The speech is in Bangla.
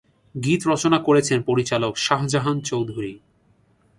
গীত রচনা করেছেন পরিচালক শাহজাহান চৌধুরী।